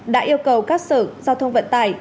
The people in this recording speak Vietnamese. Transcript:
đã yêu cầu các sở giao thông vận tải